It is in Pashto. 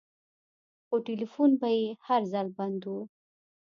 خو ټېلفون به يې هر ځل بند و.